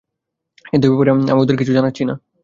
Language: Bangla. কিন্তু এই ব্যাপারে আমি ওদের কিচ্ছু জানাচ্ছি না।